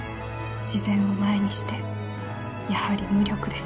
「自然を前にしてやはり無力です」。